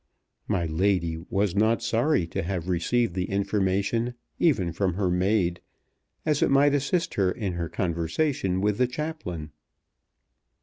"My lady" was not sorry to have received the information even from her maid, as it might assist her in her conversation with the chaplain.